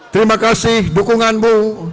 terima kasih dukunganmu